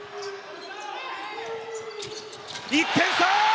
１点差！